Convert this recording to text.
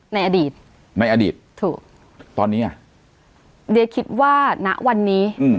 ในอดีตในอดีตถูกตอนนี้อ่ะเดียคิดว่าณวันนี้อืม